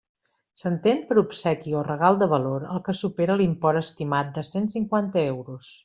S'entén per obsequi o regal de valor el que supera l'import estimat de cent cinquanta euros.